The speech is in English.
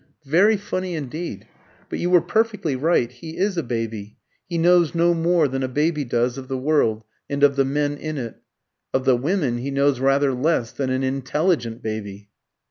"Very funny indeed. But you were perfectly right. He is a baby. He knows no more than a baby does of the world, and of the men in it. Of the women he knows rather less than an intelligent baby."